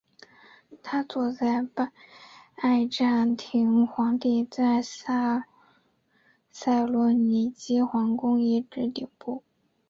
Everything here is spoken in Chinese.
它坐落在拜占庭皇帝在塞萨洛尼基皇宫遗址顶部。